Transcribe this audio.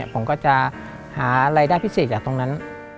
ผมก็จะหารายได้พิเศษจากตรงนั้น